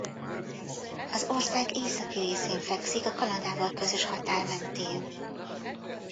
Az ország északi részén fekszik a Kanadával közös határ mentén.